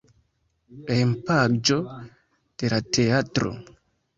Hejmpaĝo de la teatro.